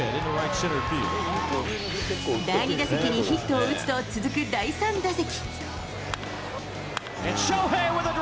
第２打席にヒットを打つと、続く第３打席。